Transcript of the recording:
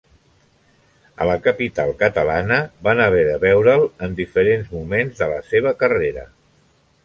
A la capital catalana van haver de veure'l en diferents moments de la seva carrera.